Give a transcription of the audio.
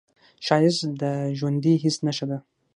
ښایست د ژوندي حس نښه ده